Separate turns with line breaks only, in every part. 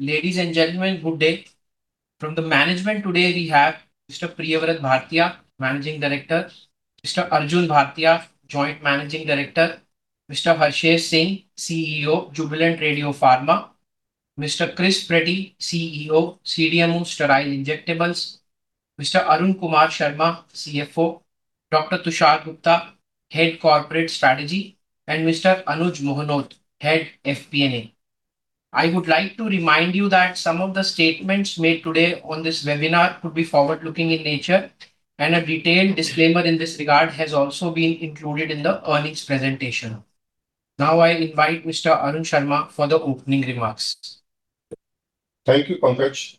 Ladies and gentlemen, good day. From the management today we have Mr. Priyavrat Bhartia, Managing Director, Mr. Arjun Bhartia, Joint Managing Director, Mr. Harsher Singh, CEO, Jubilant Radiopharma, Mr. Chris Preti, CEO, CDMO Sterile Injectables, Mr. Arun Kumar Sharma, CFO, Dr. Tushar Gupta, Head Corporate Strategy, and Mr. Anuj Mohnot, Head FP&A. I would like to remind you that some of the statements made today on this webinar could be forward-looking in nature, and a detailed disclaimer in this regard has also been included in the earnings presentation. Now I invite Mr. Arun Sharma for the opening remarks.
Thank you, Pankaj.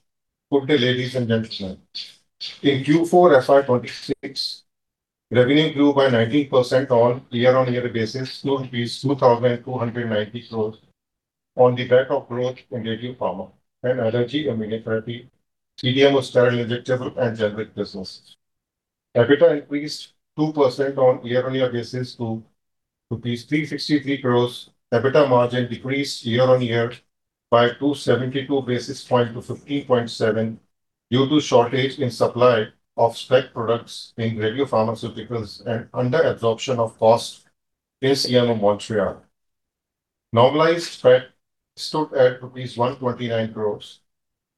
Good day, ladies and gentlemen. In Q4 FY 2026, revenue grew by 19% year-over-year basis, 2,290 crores, on the back of growth in Radiopharma and Allergy Immunotherapy, CDMO Sterile Injectables, and Generic business. EBITDA increased 2% year-over-year basis to 363 crores. EBITDA margin decreased year-over-year by 272 basis points to 15.7% due to shortage in supply of SPECT products in Radiopharmaceuticals and under absorption of cost at CMO Montreal. Normalized PAT stood at rupees 129 crores.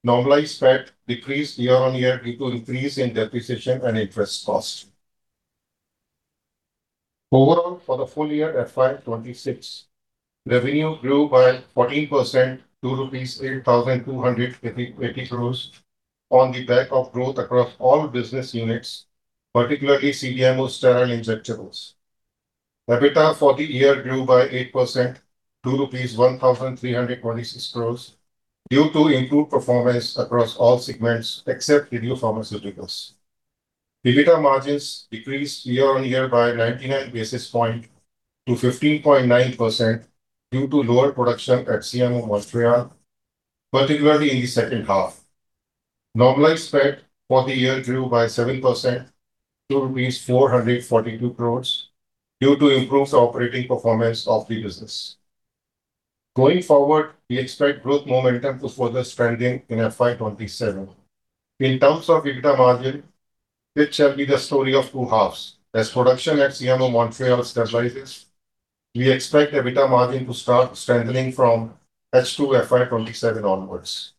Normalized PAT decreased year-over-year due to increase in depreciation and interest cost. Overall, for the full year FY 2026, revenue grew by 14%, to 8,280 crores, on the back of growth across all business units, particularly CDMO Sterile Injectables. EBITDA for the year grew by 8% to rupees 1,326 crores due to improved performance across all segments except Radiopharmaceuticals. EBITDA margins decreased year-on-year by 99 basis point to 15.9% due to lower production at CMO Montreal, particularly in the second half. Normalized PAT for the year grew by 7% to 442 crores due to improved operating performance of the business. Going forward, we expect growth momentum to further strengthen in FY 2027. In terms of EBITDA margin, it shall be the story of two halves. As production at CMO Montreal stabilizes, we expect EBITDA margin to start strengthening from H2 FY 2027 onwards.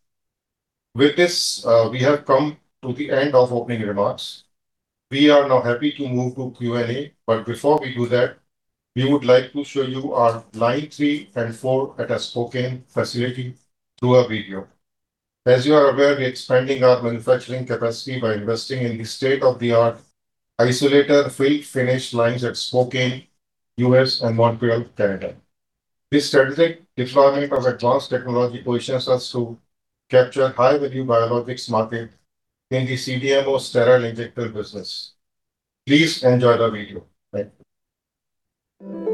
With this, we have come to the end of opening remarks. We are now happy to move to Q&A, but before we do that, we would like to show you our Line 3 and 4 at our Spokane facility through a video. As you are aware, we are expanding our manufacturing capacity by investing in state-of-the-art isolator fill-finish lines at Spokane, U.S., and Montreal, Canada. This strategic deployment of advanced technology positions us to capture high-value biologics market in the CDMO Sterile Injectable Business. Please enjoy the video. Thank you.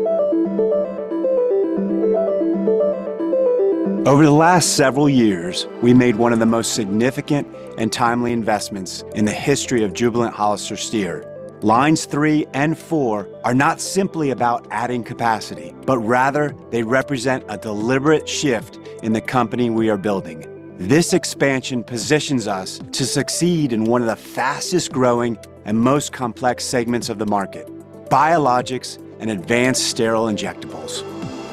Over the last several years, we made one of the most significant and timely investments in the history of Jubilant HollisterStier. Lines 3 and 4 are not simply about adding capacity, but rather they represent a deliberate shift in the company we are building. This expansion positions us to succeed in one of the fastest-growing and most complex segments of the market, biologics and advanced sterile injectables.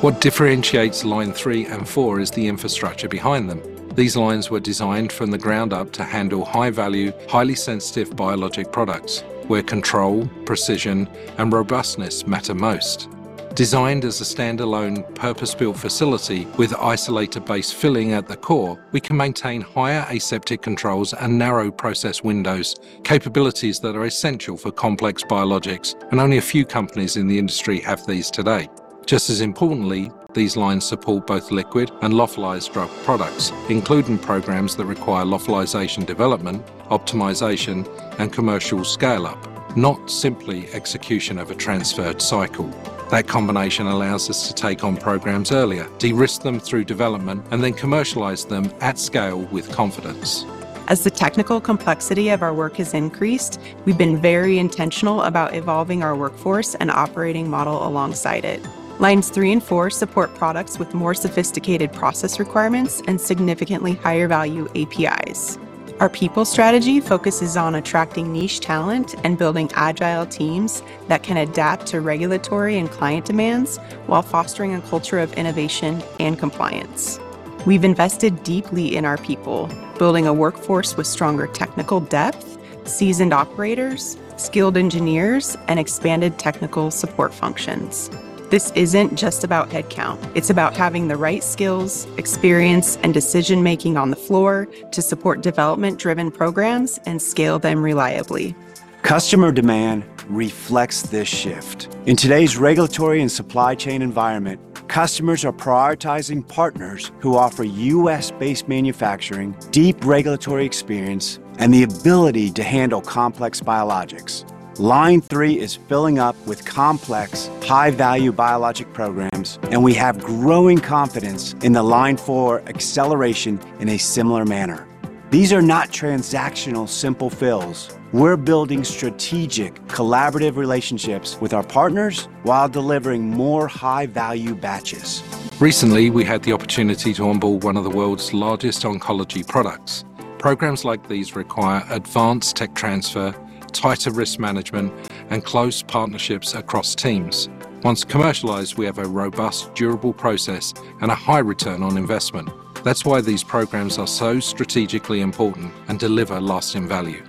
What differentiates Line 3 and 4 is the infrastructure behind them. These lines were designed from the ground up to handle high-value, highly sensitive biologic products where control, precision, and robustness matter most. Designed as a standalone purpose-built facility with isolator-based filling at the core, we can maintain higher aseptic controls and narrow process windows, capabilities that are essential for complex biologics, and only a few companies in the industry have these today. Just as importantly, these lines support both liquid and lyophilized drug products, including programs that require lyophilization development, optimization, and commercial scale-up, not simply execution of a transferred cycle. That combination allows us to take on programs earlier, de-risk them through development, and then commercialize them at scale with confidence. As the technical complexity of our work has increased, we've been very intentional about evolving our workforce and operating model alongside it. Lines 3 and 4 support products with more sophisticated process requirements and significantly higher value APIs. Our people strategy focuses on attracting niche talent and building agile teams that can adapt to regulatory and client demands while fostering a culture of innovation and compliance. We've invested deeply in our people, building a workforce with stronger technical depth, seasoned operators, skilled engineers, and expanded technical support functions. This isn't just about headcount. It's about having the right skills, experience, and decision-making on the floor to support development-driven programs and scale them reliably. Customer demand reflects this shift. In today's regulatory and supply chain environment, customers are prioritizing partners who offer U.S.-based manufacturing, deep regulatory experience, and the ability to handle complex biologics. Line 3 is filling up with complex high-value biologic programs, and we have growing confidence in the Line 4 acceleration in a similar manner. These are not transactional simple fills. We're building strategic, collaborative relationships with our partners while delivering more high-value batches. Recently, we had the opportunity to onboard one of the world's largest oncology products. Programs like these require advanced tech transfer, tighter risk management, and close partnerships across teams. Once commercialized, we have a robust, durable process and a high return on investment. That's why these programs are so strategically important and deliver lasting value.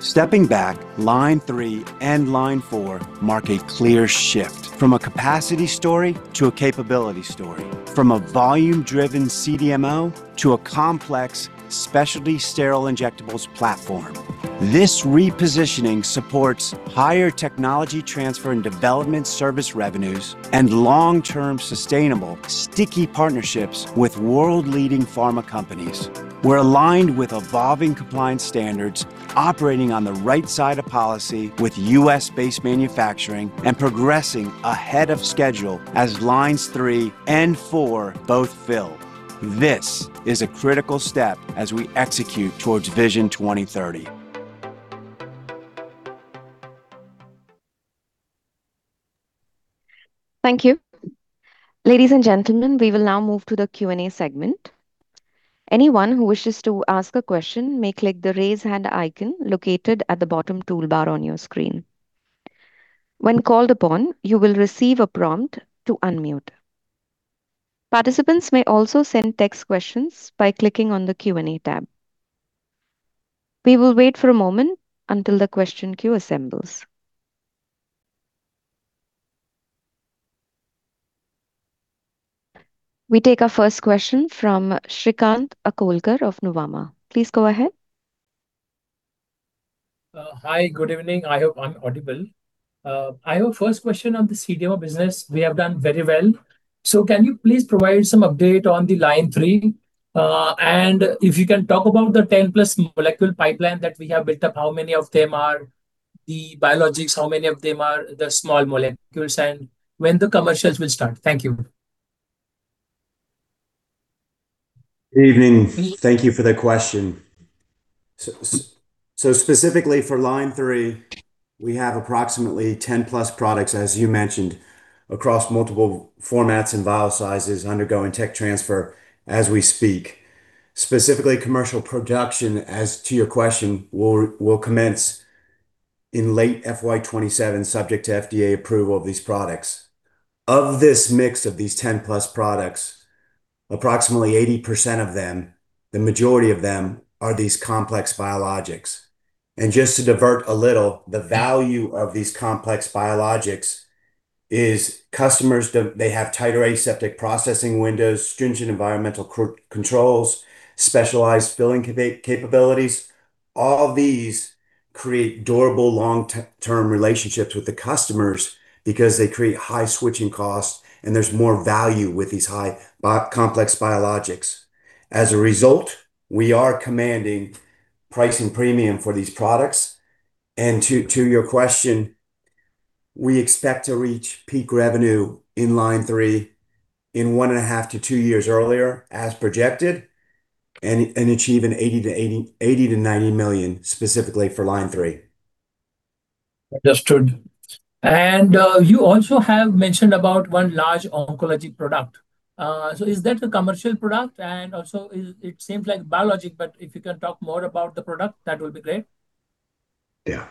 Stepping back, Line 3 and Line 4 mark a clear shift from a capacity story to a capability story, from a volume-driven CDMO to a complex specialty sterile injectables platform. This repositioning supports higher technology transfer and development service revenues and long-term sustainable, sticky partnerships with world-leading pharma companies. We're aligned with evolving compliance standards, operating on the right side of policy with U.S.-based manufacturing and progressing ahead of schedule as Lines 3 and 4 both fill. This is a critical step as we execute towards Vision 2030.
Thank you. Ladies and gentlemen, we will now move to the Q&A segment. Anyone who wishes to ask a question may click the raise hand icon located at the bottom toolbar on your screen. When called upon, you will receive a prompt to unmute. Participants may also send text questions by clicking on the Q&A tab. We will wait for a moment until the question queue assembles. We take our first question from Shrikant Akolkar of Nuvama. Please go ahead.
Hi, good evening. I hope I'm audible. I have first question on the CDMO business. We have done very well. Can you please provide some update on the Line 3? If you can talk about the 10+ molecule pipeline that we have built up, how many of them are the biologics, how many of them are the small molecules, and when the commercials will start. Thank you.
Evening. Thank you for the question. Specifically for Line 3, we have approximately 10+ products, as you mentioned, across multiple formats and vial sizes undergoing tech transfer as we speak. Specifically commercial production, as to your question, will commence in late FY 2027, subject to FDA approval of these products. Of this mix of these 10+ products, approximately 80% of them, the majority of them, are these complex biologics. Just to divert a little, the value of these complex biologics is customers, they have tighter aseptic processing windows, stringent environmental controls, specialized filling capabilities. All these create durable, long-term relationships with the customers because they create high switching costs and there's more value with these high, complex biologics. As a result, we are commanding pricing premium for these products. To your question, we expect to reach peak revenue in Line 3 in one and a half to two years earlier, as projected, and achieve 80 million-90 million specifically for Line 3.
Understood. You also have mentioned about one large oncology product. Is that the commercial product? It seems like biologic, but if you can talk more about the product, that will be great.
Yeah.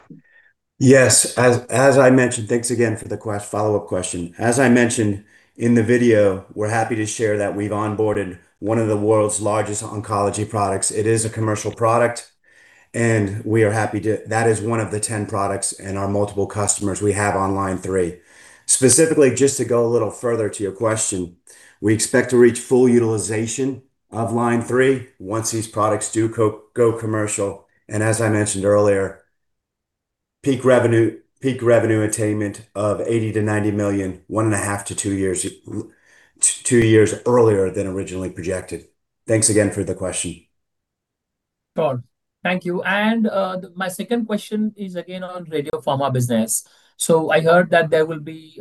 Yes. As I mentioned, thanks again for the follow-up question. As I mentioned in the video, we're happy to share that we've onboarded one of the world's largest oncology products. It is a commercial product. That is one of the 10 products and our multiple customers we have on Line 3. Specifically, just to go a little further to your question, we expect to reach full utilization of Line 3 once these products do go commercial. As I mentioned earlier, peak revenue attainment of 80 million-90 million, one and a half to two years earlier than originally projected. Thanks again for the question.
Sure. Thank you. My second question is again on Radiopharma business. I heard that there will be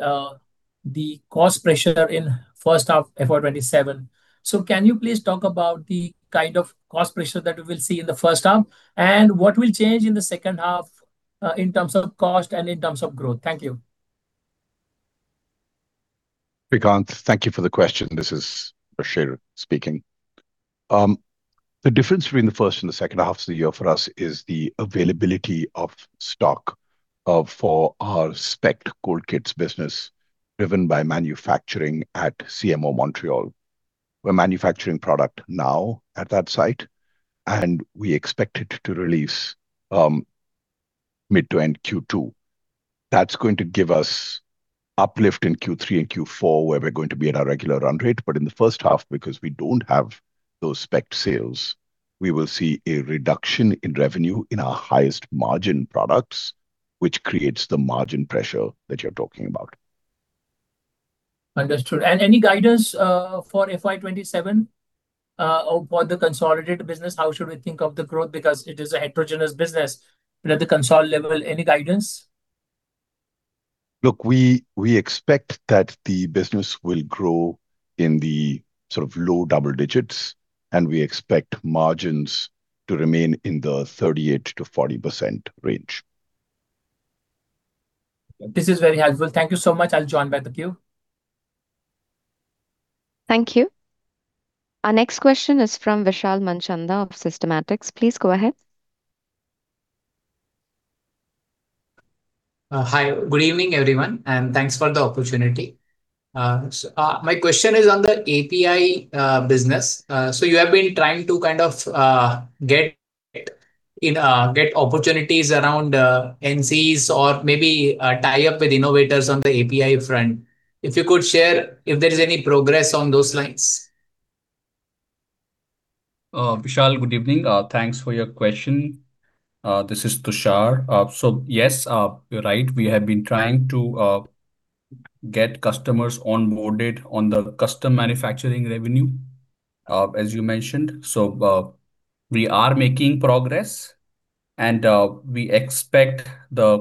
the cost pressure in first half FY 2027. Can you please talk about the kind of cost pressure that we will see in the first half, and what will change in the second half, in terms of cost and in terms of growth? Thank you.
Shrikant, thank you for the question. This is Harsher speaking. The difference between the first and the second halves of the year for us is the availability of stock for our SPECT cold kits business driven by manufacturing at CMO Montreal. We're manufacturing product now at that site, and we expect it to release mid to end Q2. That's going to give us uplift in Q3 and Q4, where we're going to be at our regular run rate. In the first half, because we don't have those SPECT sales, we will see a reduction in revenue in our highest margin products, which creates the margin pressure that you're talking about.
Understood. Any guidance for FY 2027 for the consolidated business? How should we think of the growth? It is a heterogeneous business. At the consolidated level, any guidance?
Look, we expect that the business will grow in the low double digits, and we expect margins to remain in the 38%-40% range.
This is very helpful. Thank you so much. I'll join back the queue.
Thank you. Our next question is from Vishal Manchanda of Systematix. Please go ahead.
Hi. Good evening, everyone, and thanks for the opportunity. My question is on the API business. You have been trying to get opportunities around NCEs or maybe tie up with innovators on the API front. If you could share if there is any progress on those lines.
Vishal, good evening. Thanks for your question. This is Tushar. Yes, you're right. We have been trying to get customers onboarded on the custom manufacturing revenue, as you mentioned. We are making progress, and we expect the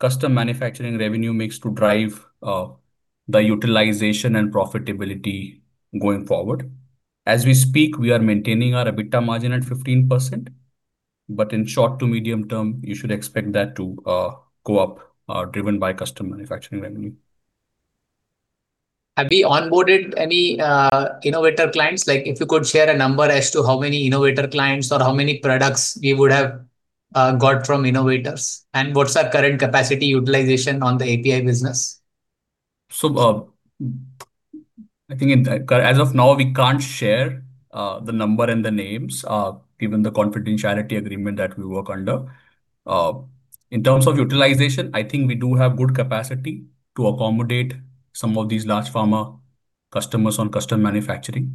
custom manufacturing revenue mix to drive the utilization and profitability going forward. As we speak, we are maintaining our EBITDA margin at 15%, but in short to medium term, you should expect that to go up, driven by custom manufacturing revenue.
Have you onboarded any innovator clients? If you could share a number as to how many innovator clients or how many products you would have got from innovators. What's our current capacity utilization on the API business?
I think as of now, we can't share the number and the names, given the confidentiality agreement that we work under. In terms of utilization, I think we do have good capacity to accommodate some of these large pharma customers on custom manufacturing.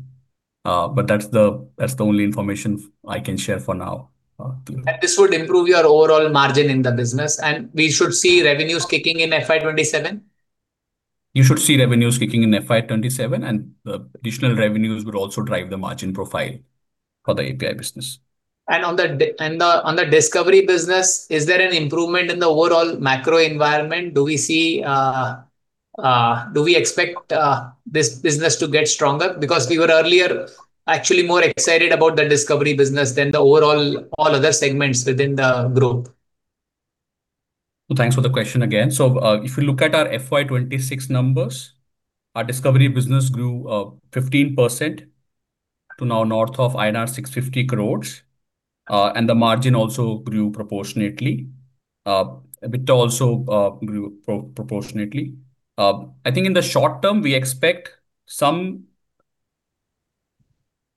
That's the only information I can share for now.
This would improve your overall margin in the business, and we should see revenues kicking in FY 2027?
You should see revenues kicking in FY 2027. Additional revenues would also drive the margin profile for the API business.
On the discovery business, is there an improvement in the overall macro environment? Do we expect this business to get stronger? We were earlier actually more excited about the discovery business than the overall other segments within the group.
Thanks for the question again. If you look at our FY 2026 numbers, our discovery business grew 15% to now north of INR 650 crores, and the margin also grew proportionately. EBITDA also grew proportionately. I think in the short term, we expect some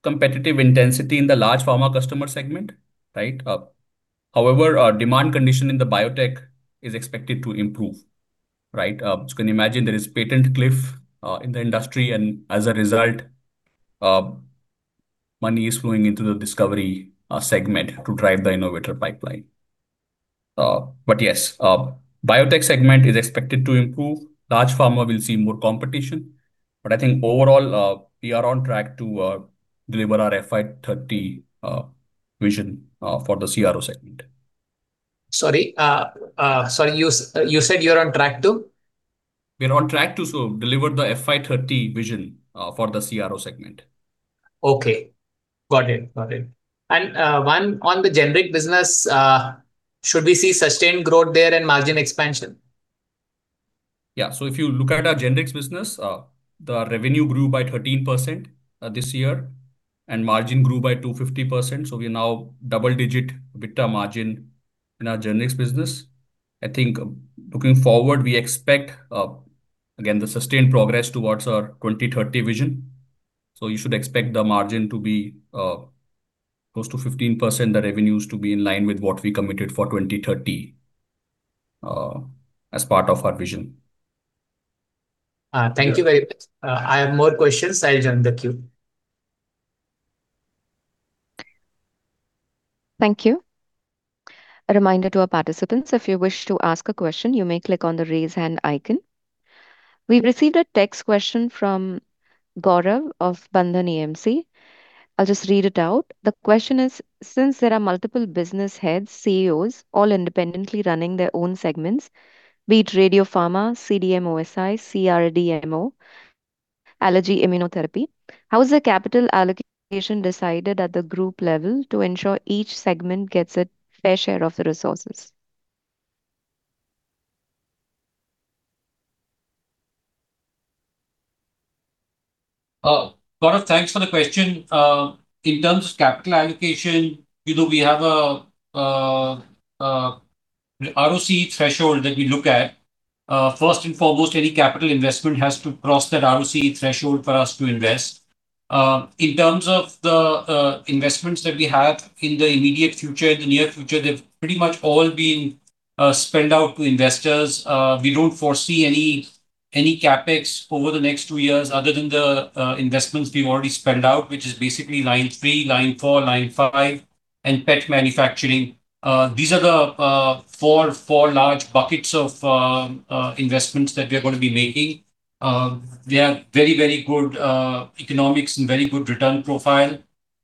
competitive intensity in the large pharma customer segment. Right? However, our demand condition in the biotech is expected to improve. Right? You can imagine there is patent cliff in the industry, and as a result, money is flowing into the discovery segment to drive the innovator pipeline. Yes, biotech segment is expected to improve. Large pharma will see more competition. I think overall, we are on track to deliver our FY 2030 Vision for the CRO segment.
Sorry. You said you're on track to?
We're on track to deliver the FY 2030 Vision for the CRO segment.
Okay. Got it. One on the generic business, should we see sustained growth there and margin expansion?
Yeah. So if you look at our generics business, the revenue grew by 13% this year, and margin grew by 250%. We're now double-digit EBITDA margin in our generics business. I think looking forward, we expect, again, the sustained progress towards our 2030 Vision. You should expect the margin to be close to 15%, the revenues to be in line with what we committed for 2030 as part of our vision.
Thank you very much. I have more questions. I'll join the queue.
Thank you. A reminder to our participants, if you wish to ask a question, you may click on the raise hand icon. We've received a text question from Gaurav of Bandhan AMC. I'll just read it out. The question is: Since there are multiple business heads, CEOs, all independently running their own segments, be it Radiopharma, CDMO/SI, CRDMO, Allergy Immunotherapy, how is the capital allocation decided at the group level to ensure each segment gets a fair share of the resources?
Gaurav, thanks for the question. In terms of capital allocation, we have a ROC threshold that we look at. First and foremost, any capital investment has to cross that ROC threshold for us to invest. In terms of the investments that we have in the immediate future, in the near future, they've pretty much all been spent out to investors. We don't foresee any CapEx over the next two years other than the investments we've already spent out, which is basically Line 3, Line 4, Line 5, and PET manufacturing. These are the four large buckets of investments that we are going to be making. They have very good economics and very good return profile.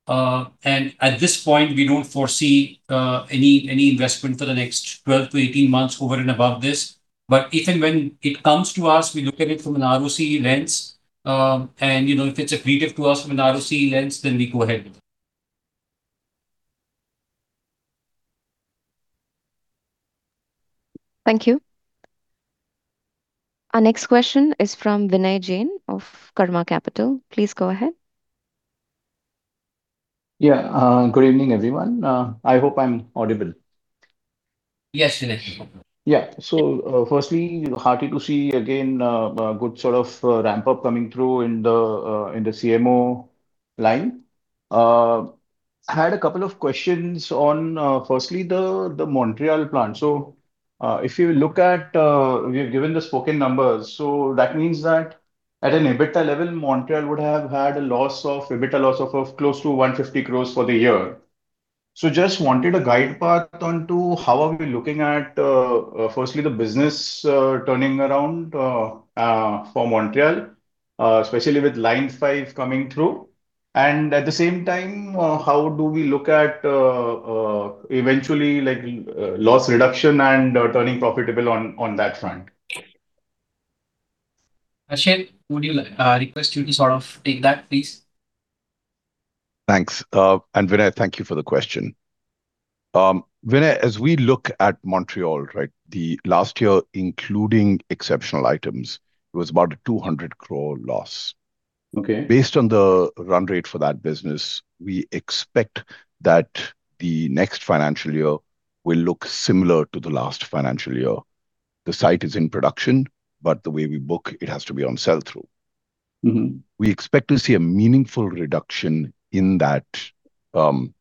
At this point, we don't foresee any investment for the next 12 to 18 months over and above this. If and when it comes to us, we look at it from an ROC lens. If it's accretive to us from an ROC lens, then we go ahead.
Thank you. Our next question is from Vinay Jain of Karma Capital. Please go ahead.
Good evening, everyone. I hope I'm audible.
Yes, Vinay.
Yeah. Firstly, hearty to see, again, a good ramp-up coming through in the CMO line. Had a couple of questions on, firstly, the Montreal plant. If you look at, you've given the Spokane numbers, so that means that at an EBITDA level, Montreal would have had a EBITDA loss of close to 150 crores for the year. Just wanted a guide path onto how are we looking at, firstly, the business turning around for Montreal, especially with Line 5 coming through. At the same time, how do we look at eventually loss reduction and turning profitable on that front?
Harsher, would request you to take that, please.
Thanks. Vinay, thank you for the question. Vinay, as we look at Montreal, the last year, including exceptional items, it was about an 200 crore loss.
Okay.
Based on the run rate for that business, we expect that the next financial year will look similar to the last financial year. The site is in production, but the way we book it has to be on sell-through. We expect to see a meaningful reduction in that P&L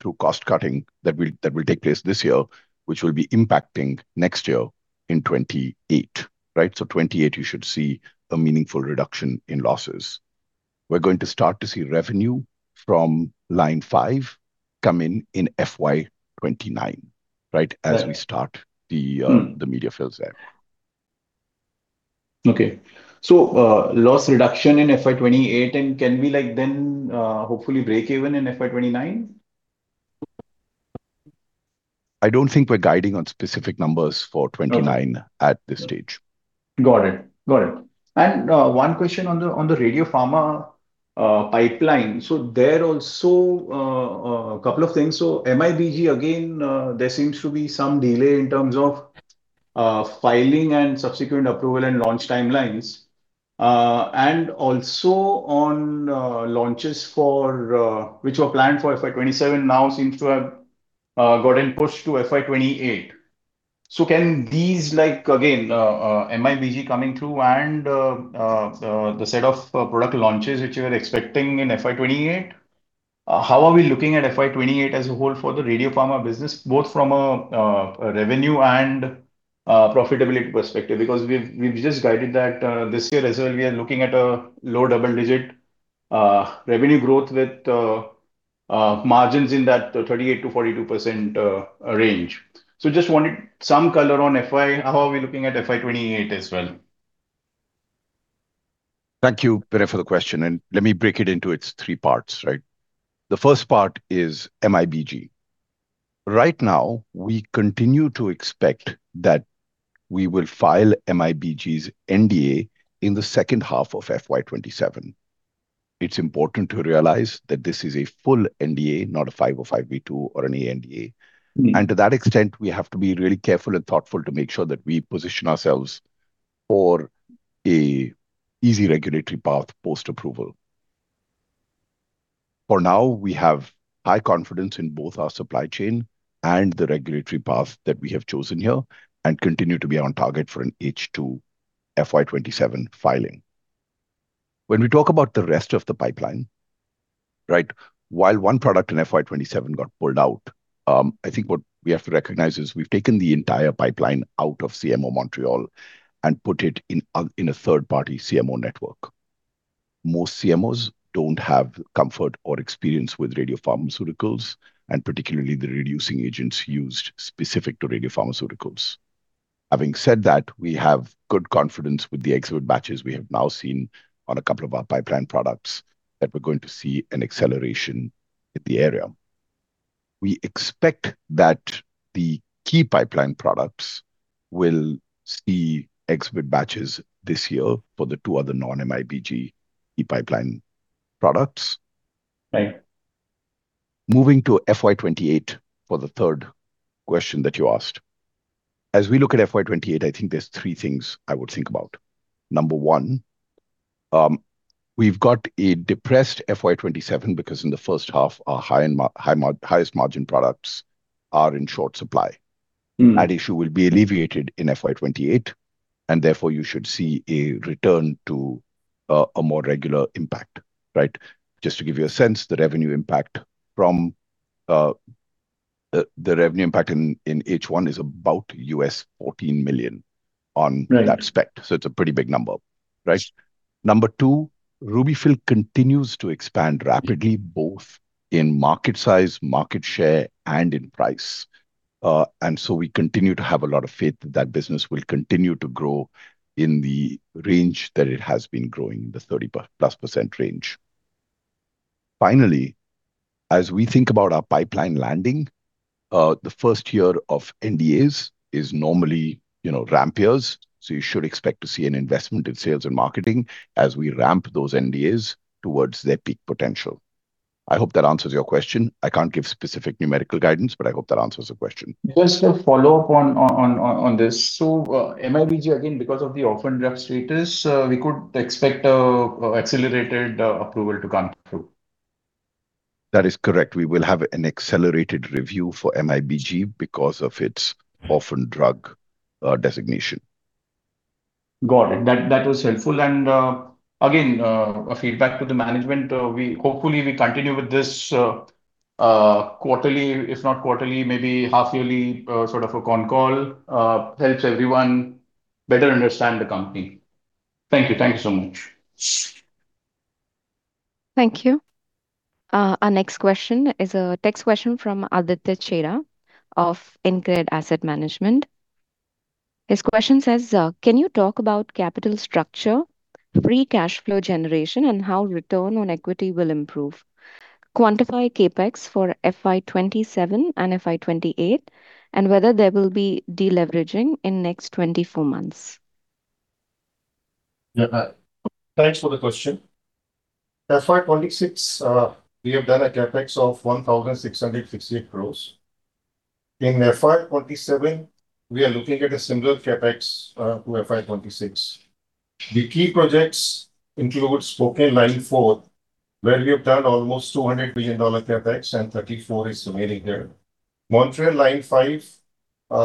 through cost-cutting that will take place this year, which will be impacting next year in 2028. 2028, you should see a meaningful reduction in losses. We're going to start to see revenue from Line 5 come in in FY 2029 as we start the media fills there.
Okay. Loss reduction in FY 2028, can we then hopefully break even in FY 2029?
I don't think we're guiding on specific numbers for FY 2029 at this stage.
Got it. One question on the Radiopharma pipeline. There also a couple of things. MIBG, again, there seems to be some delay in terms of filing and subsequent approval and launch timelines. Also on launches which were planned for FY 2027 now seems to have gotten pushed to FY 2028. Can these, again, MIBG coming through and the set of product launches which you were expecting in FY 2028, how are we looking at FY 2028 as a whole for the Radiopharma business, both from a revenue and profitability perspective? Because we've just guided that this year as well, we are looking at a low double-digit revenue growth with margins in that 38%-42% range. Just wanted some color on FY. How are we looking at FY 2028 as well?
Thank you, Vinay, for the question. Let me break it into its three parts. The first part is MIBG. Right now, we continue to expect that we will file MIBG's NDA in the second half of FY 2027. It's important to realize that this is a full NDA, not a 505(b)(2) or an ANDA. To that extent, we have to be really careful and thoughtful to make sure that we position ourselves for a easy regulatory path post-approval. For now, we have high confidence in both our supply chain and the regulatory path that we have chosen here, and continue to be on target for an H2 FY 2027 filing. When we talk about the rest of the pipeline, while one product in FY 2027 got pulled out, I think what we have to recognize is we've taken the entire pipeline out of CMO Montreal and put it in a third-party CMO network. Most CMOs don't have comfort or experience with radiopharmaceuticals, and particularly the reducing agents used specific to radiopharmaceuticals. Having said that, we have good confidence with the exhibit batches we have now seen on a couple of our pipeline products that we're going to see an acceleration in the area. We expect that the key pipeline products will see exhibit batches this year for the two other non-MIBG pipeline products.
Right.
Moving to FY 2028 for the third question that you asked. As we look at FY 2028, I think there's three things I would think about. Number one, we've got a depressed FY 2027 because in the first half, our highest margin products are in short supply. That issue will be alleviated in FY 2028. Therefore, you should see a return to a more regular impact. Just to give you a sense, the revenue impact in H1 is about $14 million on that SPECT. It's a pretty big number. Number two, RUBY-FILL continues to expand rapidly, both in market size, market share, and in price. We continue to have a lot of faith that business will continue to grow in the range that it has been growing, the 30%+ range. Finally, as we think about our pipeline landing, the first year of NDA is normally ramp years. You should expect to see an investment in sales and marketing as we ramp those NDA towards their peak potential. I hope that answers your question. I can't give specific numerical guidance, I hope that answers the question.
Just a follow-up on this. MIBG, again, because of the orphan drug status, we could expect accelerated approval to come through?
That is correct. We will have an accelerated review for MIBG because of its orphan drug designation.
Got it. That was helpful. Again, a feedback to the management. Hopefully, we continue with this quarterly, if not quarterly, maybe half-yearly sort of a con call, helps everyone better understand the company. Thank you. Thank you so much.
Thank you. Our next question is a text question from Aditya Chheda of InCred Asset Management. His question says, "Can you talk about capital structure, free cash flow generation, and how return on equity will improve? Quantify CapEx for FY 2027 and FY 2028, and whether there will be de-leveraging in next 24 months.
Thanks for the question. FY 2026, we have done a CapEx of 1,668 crores. In FY 2027, we are looking at a similar CapEx to FY 2026. The key projects include Spokane Line 4, where we have done almost $200 million CapEx and 34 crores is remaining there. Montreal Line 5,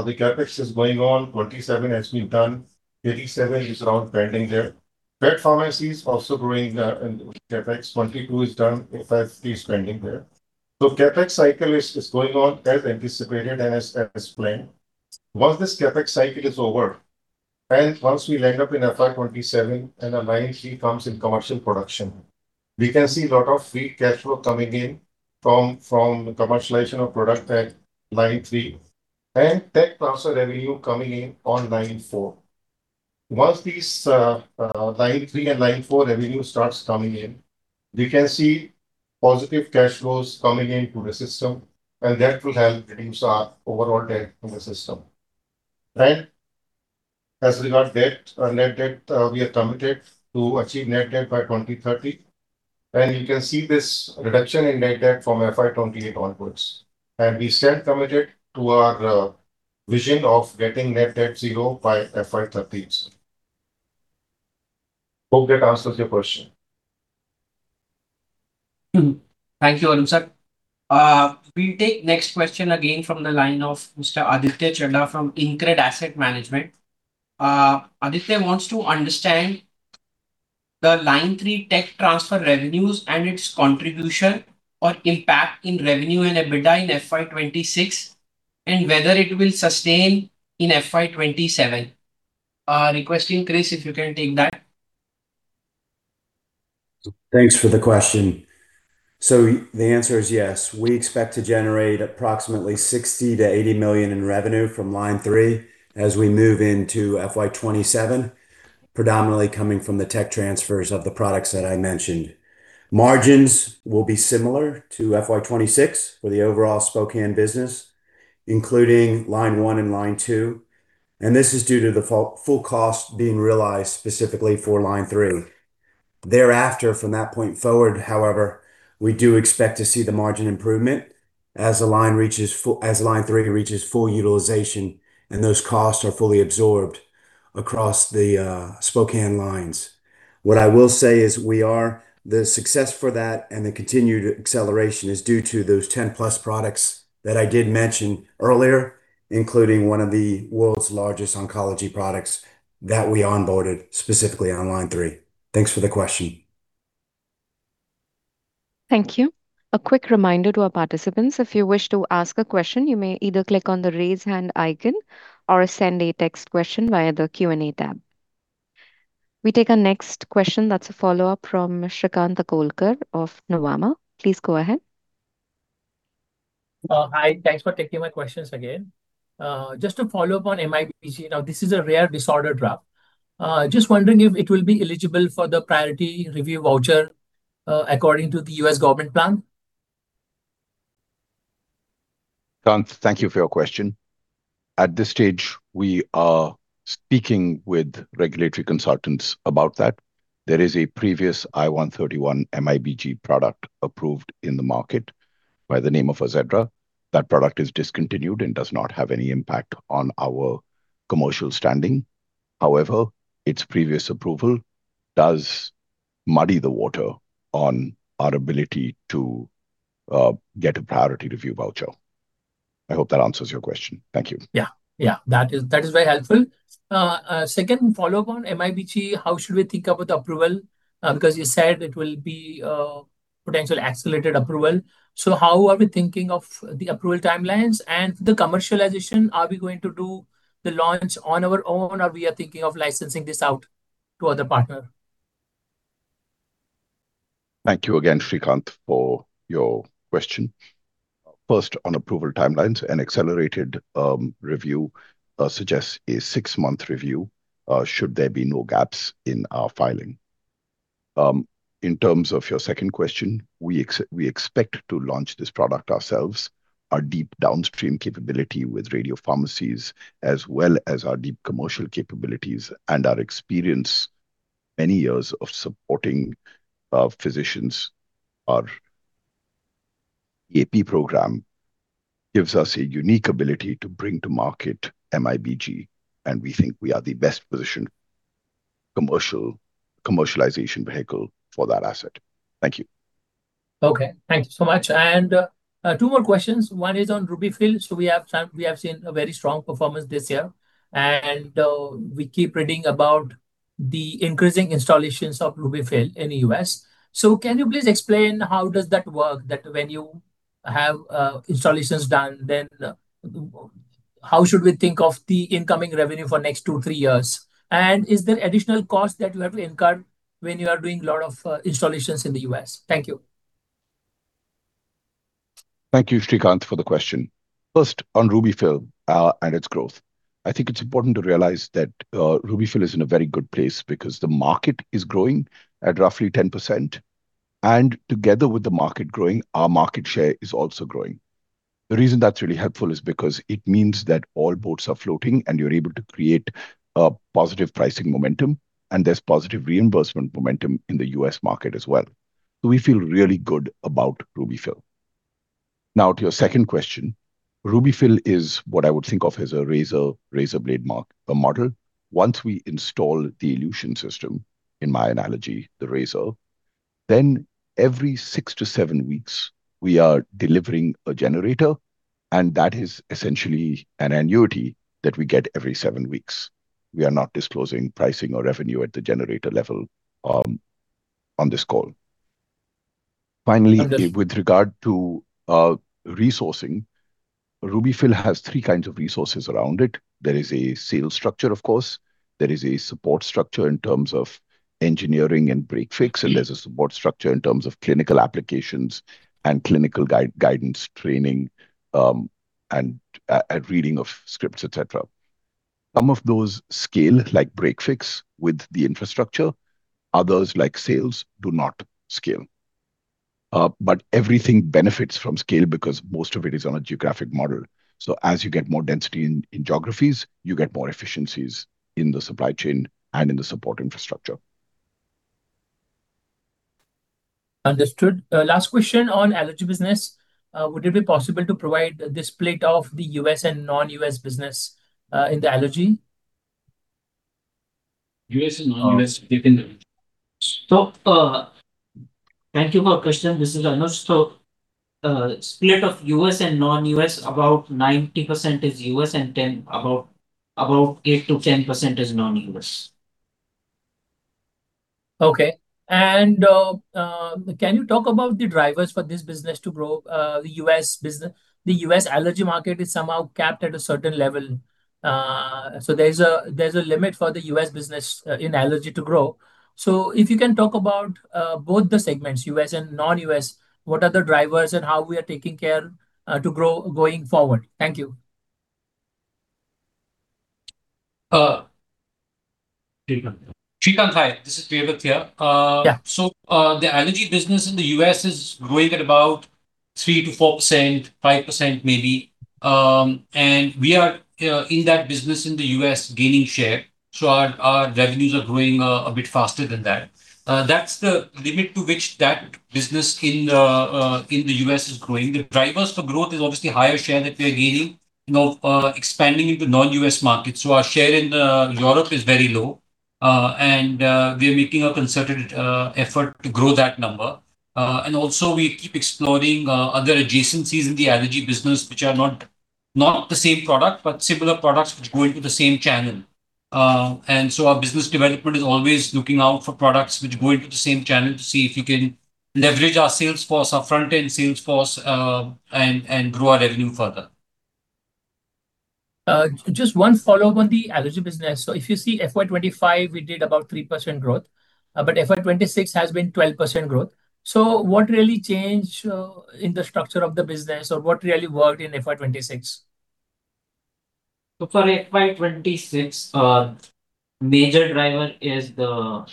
the CapEx is going on, 27 crores has been done, 37 crores is around pending there. PET pharmacies also growing and CapEx 22 crores is done, FY 2050 is pending there. CapEx cycle is going on as anticipated and as planned. Once this CapEx cycle is over, and once we land up in FY 2027 and our Line 3 comes in commercial production, we can see lot of free cash flow coming in from commercialization of product at Line 3 and tech transfer revenue coming in on Line 4. Once these Line 3 and Line 4 revenue starts coming in, we can see positive cash flows coming into the system, and that will help reduce our overall debt in the system. As regard debt or net debt, we are committed to achieve net debt by 2030, and you can see this reduction in net debt from FY 2028 onwards. We stand committed to our vision of getting net debt zero by FY 2030. Hope that answers your question.
Thank you, Arun sir. We will take next question again from the line of Mr. Aditya Chheda from InCred Asset Management. Aditya wants to understand the Line 3 tech transfer revenues and its contribution or impact in revenue and EBITDA in FY 2026, and whether it will sustain in FY 2027. Requesting, Chris, if you can take that.
Thanks for the question. The answer is yes. We expect to generate approximately 60 million-80 million in revenue from Line 3 as we move into FY 2027, predominantly coming from the tech transfers of the products that I mentioned. Margins will be similar to FY 2026 for the overall Spokane business, including line one and line two, and this is due to the full cost being realized specifically for Line 3. Thereafter, from that point forward, however, we do expect to see the margin improvement as Line 3 reaches full utilization and those costs are fully absorbed across the Spokane lines. What I will say is the success for that and the continued acceleration is due to those 10+ products that I did mention earlier, including one of the world's largest oncology products that we onboarded specifically on Line 3. Thanks for the question.
Thank you. A quick reminder to our participants, if you wish to ask a question, you may either click on the raise hand icon or send a text question via the Q&A tab. We take our next question, that is a follow-up from Shrikant Akolkar of Nuvama. Please go ahead.
Hi. Thanks for taking my questions again. Just to follow up on MIBG, now this is a rare disorder drug. Just wondering if it will be eligible for the priority review voucher, according to the U.S. government plan.
Shrikant, thank you for your question. At this stage, we are speaking with regulatory consultants about that. There is a previous I-131 MIBG product approved in the market by the name of AZEDRA. That product is discontinued and does not have any impact on our commercial standing. Its previous approval does muddy the water on our ability to get a priority review voucher. I hope that answers your question. Thank you.
Yeah. That is very helpful. Second follow-up on MIBG, how should we think about the approval? You said it will be potential accelerated approval. How are we thinking of the approval timelines and the commercialization? Are we going to do the launch on our own, or we are thinking of licensing this out to other partner?
Thank you again, Shrikant, for your question. First, on approval timelines, an accelerated review suggests a six-month review should there be no gaps in our filing. In terms of your second question, we expect to launch this product ourselves. Our deep downstream capability with radiopharmacies, as well as our deep commercial capabilities and our experience, many years of supporting physicians. Our AP program gives us a unique ability to bring to market MIBG. We think we are the best-positioned commercialization vehicle for that asset. Thank you.
Okay. Thank you so much. Two more questions, one is on RUBY-FILL. We have seen a very strong performance this year, and we keep reading about the increasing installations of RUBY-FILL in the U.S. Can you please explain how does that work, that when you have installations done, then how should we think of the incoming revenue for next two, three years? Is there additional cost that you have to incur when you are doing lot of installations in the U.S.? Thank you.
Thank you, Shrikant, for the question. First, on RUBY-FILL and its growth. I think it's important to realize that RUBY-FILL is in a very good place because the market is growing at roughly 10%, and together with the market growing, our market share is also growing. The reason that's really helpful is because it means that all boats are floating, and you're able to create a positive pricing momentum, and there's positive reimbursement momentum in the U.S. market as well. We feel really good about RUBY-FILL. Now, to your second question. RUBY-FILL is what I would think of as a razor blade model. Once we install the elution system, in my analogy, the razor, every six to seven weeks, we are delivering a generator, and that is essentially an annuity that we get every seven weeks. We are not disclosing pricing or revenue at the generator level on this call.
Understood.
With regard to resourcing, RUBY-FILL has three kinds of resources around it. There is a sales structure, of course. There is a support structure in terms of engineering and break fix, and there's a support structure in terms of clinical applications and clinical guidance training, and reading of scripts, et cetera. Some of those scale like break fix with the infrastructure. Others, like sales, do not scale. Everything benefits from scale because most of it is on a geographic model. As you get more density in geographies, you get more efficiencies in the supply chain and in the support infrastructure.
Understood. Last question on allergy business. Would it be possible to provide the split of the U.S. and non-U.S. business in the allergy?
U.S. and non-U.S. within the
So-
Thank you for question. This is Anuj. Split of U.S. and non-U.S., about 90% is U.S., and about 8%-10% is non-U.S.
Okay. Can you talk about the drivers for this business to grow, the U.S. allergy market is somehow capped at a certain level. There's a limit for the U.S. business in allergy to grow. If you can talk about both the segments, U.S. and non-U.S., what are the drivers and how we are taking care to grow going forward? Thank you.
Shrikant, hi. This is Priyavrat here.
Yeah.
The allergy business in the U.S. is growing at about 3%-4%, 5% maybe. We are in that business in the U.S. gaining share. Our revenues are growing a bit faster than that. That's the limit to which that business in the U.S. is growing. The drivers for growth is obviously higher share that we are gaining, expanding into non-U.S. markets. Our share in Europe is very low, and we are making a concerted effort to grow that number. Also we keep exploring other adjacencies in the allergy business, which are not the same product, but similar products which go into the same channel. Our business development is always looking out for products which go into the same channel to see if we can leverage our sales force, our front-end sales force, and grow our revenue further.
Just one follow-up on the allergy business. If you see FY 2025, we did about 3% growth. FY 2026 has been 12% growth. What really changed in the structure of the business, or what really worked in FY 2026?
For FY 2026, major driver is the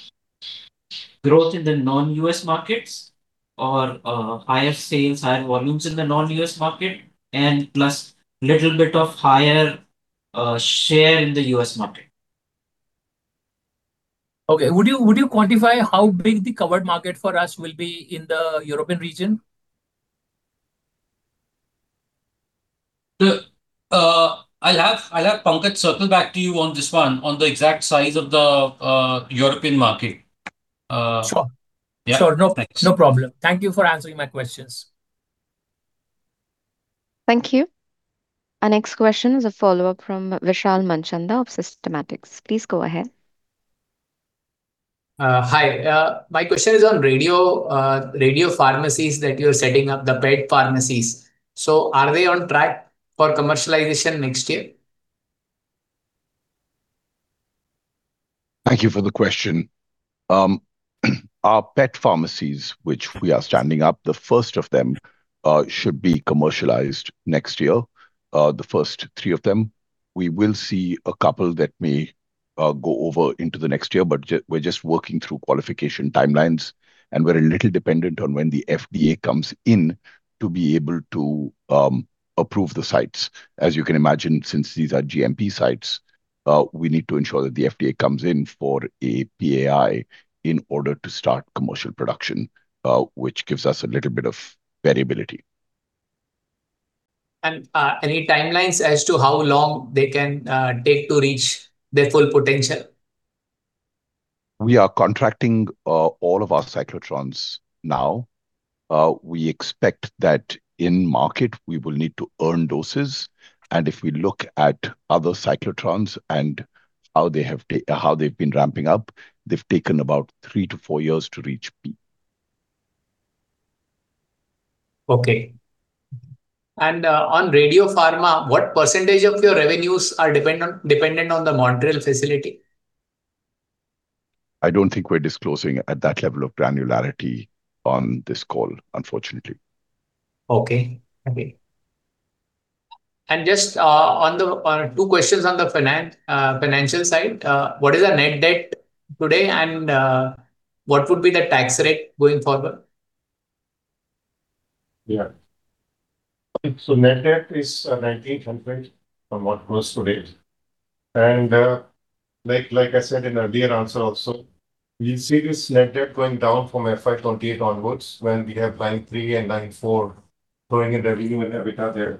growth in the non-U.S. markets or higher sales, higher volumes in the non-U.S. market, and plus little bit of higher share in the U.S. market.
Okay. Would you quantify how big the covered market for us will be in the European region?
I'll have Pankaj circle back to you on this one, on the exact size of the European market.
Sure.
Yeah.
Sure.
Thanks.
No problem. Thank you for answering my questions.
Thank you. Our next question is a follow-up from Vishal Manchanda of Systematix. Please go ahead.
Hi. My question is on radio pharmacies that you're setting up, the PET pharmacies. Are they on track for commercialization next year?
Thank you for the question. Our PET pharmacies, which we are standing up, the first of them should be commercialized next year, the first three of them. We will see a couple that may go over into the next year, but we are just working through qualification timelines, and we are a little dependent on when the FDA comes in to be able to approve the sites. As you can imagine, since these are GMP sites, we need to ensure that the FDA comes in for a PAI in order to start commercial production, which gives us a little bit of variability.
Any timelines as to how long they can take to reach their full potential?
We are contracting all of our cyclotrons now. We expect that in market, we will need to earn doses. If we look at other cyclotrons and how they've been ramping up, they've taken about three to four years to reach peak.
Okay. On Radiopharma, what percentage of your revenues are dependent on the Montreal facility?
I don't think we're disclosing at that level of granularity on this call, unfortunately.
Okay. Just two questions on the financial side. What is our net debt today, and what would be the tax rate going forward?
Net debt is 1,900 crores from what was to date. Like I said in earlier answer also, you see this net debt going down from FY 2028 onwards when we have Line 3 and Line 4 throwing in revenue and EBITDA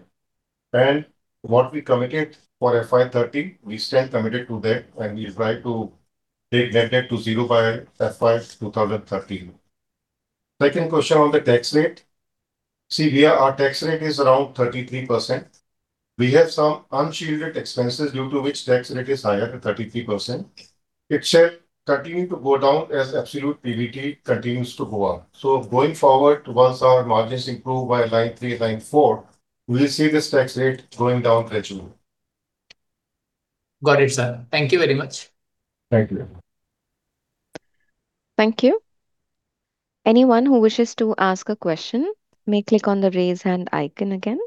there. What we committed for FY 2030, we stand committed to that, and we try to take net debt to zero by FY 2030. Second question on the tax rate. Our tax rate is around 33%. We have some unshielded expenses due to which tax rate is higher to 33%. It shall continue to go down as absolute PBT continues to go up. Going forward, once our margins improve by Line 3, Line 4, we will see this tax rate going down gradually.
Got it, sir. Thank you very much.
Thank you.
Thank you. Anyone who wishes to ask a question may click on the raise hand icon again.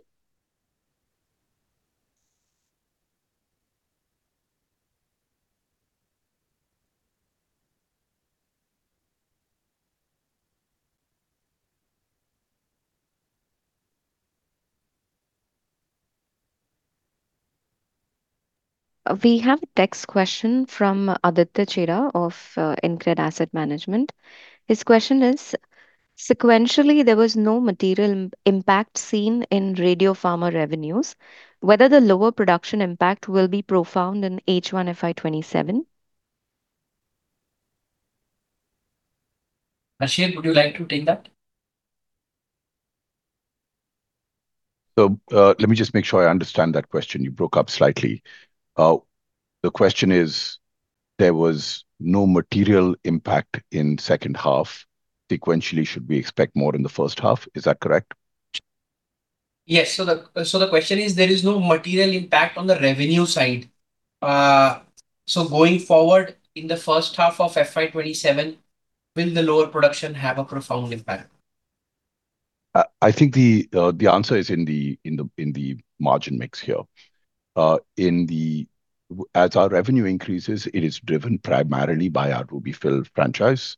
We have a text question from Aditya Chheda of InCred Asset Management. His question is: sequentially, there was no material impact seen in Radiopharma revenues, whether the lower production impact will be profound in H1 FY 2027.
Harsher, would you like to take that?
Let me just make sure I understand that question. You broke up slightly. The question is, there was no material impact in second half. Sequentially, should we expect more in the first half? Is that correct?
Yes. The question is, there is no material impact on the revenue side. Going forward, in the first half of FY 2027, will the lower production have a profound impact?
I think the answer is in the margin mix here. As our revenue increases, it is driven primarily by our RUBY-FILL franchise,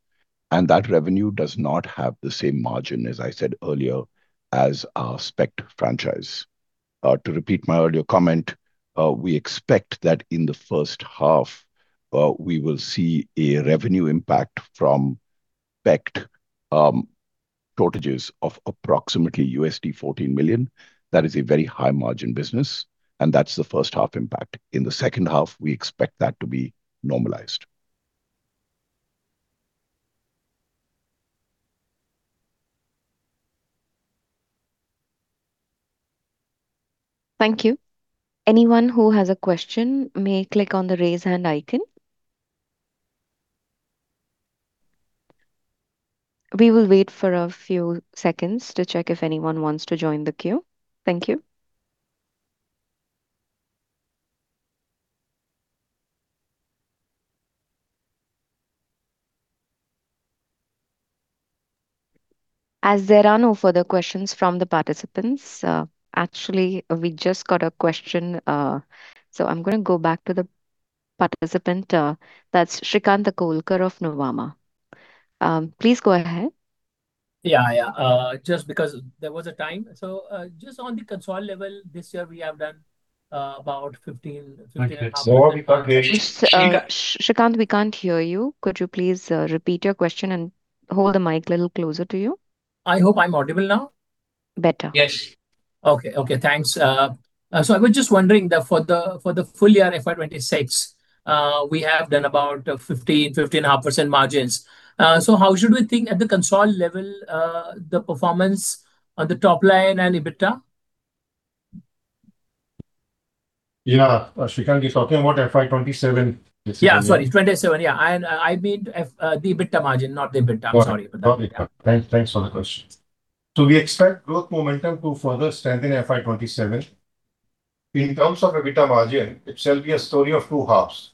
and that revenue does not have the same margin as I said earlier as our SPECT franchise. To repeat my earlier comment, we expect that in the first half, we will see a revenue impact from PET shortages of approximately $14 million. That is a very high margin business, and that's the first half impact. In the second half, we expect that to be normalized.
Thank you. Anyone who has a question may click on the raise hand icon. We will wait for a few seconds to check if anyone wants to join the queue. Thank you. As there are no further questions from the participants. Actually, we just got a question, so I am going to go back to the participant. That's Shrikant Akolkar of Nuvama. Please go ahead.
Yeah. Just because there was a time. Just on the consolidated level, this year we have done about 15.5%. We are.
Shrikant, we can't hear you. Could you please repeat your question and hold the mic a little closer to you?
I hope I'm audible now.
Better.
Yes.
Okay. Thanks. I was just wondering that for the full year FY 2026, we have done about 15.5% margins. How should we think at the consolidated level, the performance on the top line and EBITDA?
Yeah. Shrikant is talking about FY 2027.
Yeah, sorry, 2027. Yeah. I meant the EBITDA margin, not the EBITDA. I'm sorry for that.
Got it. Thanks for the question. We expect growth momentum to further strengthen FY 2027. In terms of EBITDA margin, it shall be a story of two halves.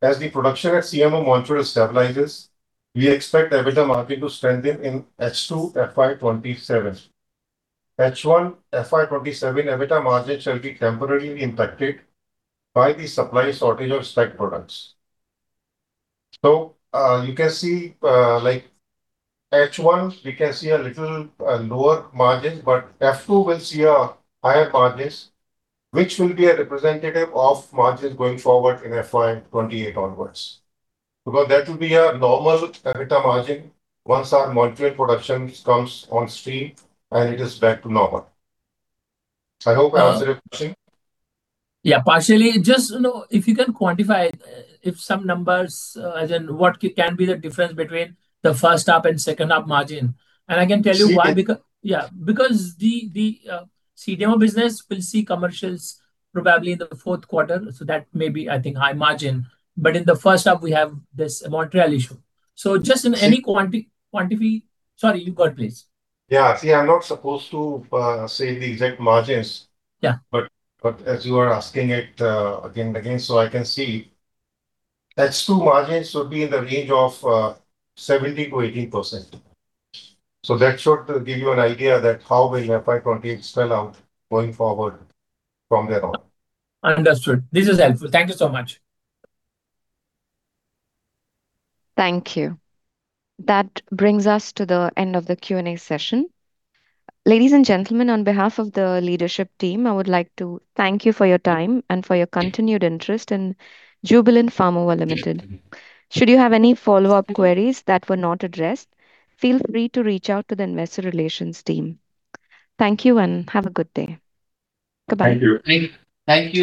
As the production at CMO Montreal stabilizes, we expect EBITDA margin to strengthen in H2 FY 2027. H1 FY 2027 EBITDA margin shall be temporarily impacted by the supply shortage of SPECT products. You can see, H1, we can see a little lower margin, but H2 will see a higher margins, which will be a representative of margins going forward in FY 2028 onwards. Because that will be our normal EBITDA margin once our Montreal production comes on stream and it is back to normal. I hope I answered your question.
Yeah, partially. Just if you can quantify, if some numbers, as in what can be the difference between the first half and second half margin. I can tell you why.
See-
Yeah, the CDMO business will see commercials probably in the fourth quarter, so that may be, I think, high margin. In the first half, we have this Montreal issue. Just in any quantity. Sorry, you go please.
Yeah. See, I'm not supposed to say the exact margins.
Yeah.
As you are asking it again and again, so I can see. H2 margins would be in the range of 70%-80%. That should give you an idea that how will FY 2028 spell out going forward from there on.
Understood. This is helpful. Thank you so much.
Thank you. That brings us to the end of the Q&A session. Ladies and gentlemen, on behalf of the leadership team, I would like to thank you for your time and for your continued interest in Jubilant Pharmova Limited. Should you have any follow-up queries that were not addressed, feel free to reach out to the Investor Relations team. Thank you and have a good day. Goodbye.
Thank you.
Thank you.